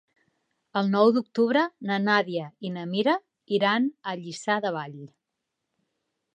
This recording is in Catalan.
El nou d'octubre na Nàdia i na Mira iran a Lliçà de Vall.